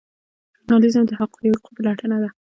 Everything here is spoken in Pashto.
ژورنالیزم د حقایقو پلټنه ده